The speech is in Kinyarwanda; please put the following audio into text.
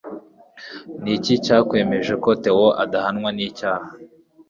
Ni iki cyakwemeje ko Theo adahamwa n'icyaha